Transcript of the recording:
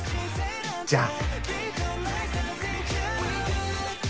じゃあ。